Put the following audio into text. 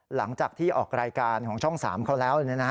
หลังจากที่ออกรายการของช่อง๓เขาแล้ว